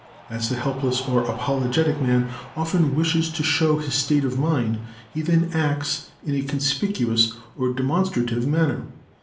As the helpless or apologetic man often wishes to show his state of mind, he then acts in a conspicuous or demonstrative manner.